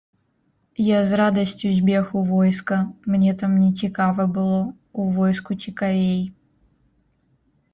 Я з радасцю збег у войска, мне там нецікава было, у войску цікавей.